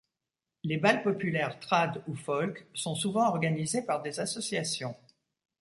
Les bals populaires trad ou folk sont souvent organisés par des associations.